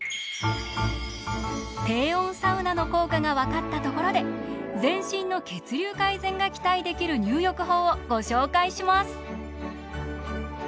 低温サウナの効果が分かったところで全身の血流改善が期待できる入浴法をご紹介します！